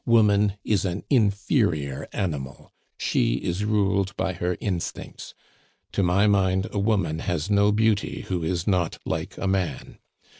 Woman is an inferior animal; she is ruled by her instincts. To my mind a woman has no beauty who is not like a man.